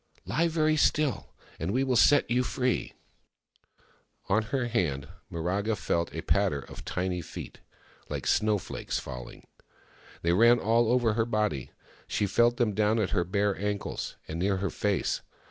" Lie very still, and we will set you free !" On her hand, Miraga felt a patter of tiny feet, Uke snowflakes falling. They ran all over her body ; she felt them down at her bare ankles, and near her face.